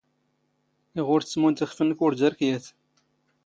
ⵉⵖ ⵓⵔ ⵜⵙⵎⵓⵏⵜ ⵉⵅⴼ ⵏⵏⴽ ⵓⵔ ⴷⴰⵔⴽ ⵢⴰⵜ.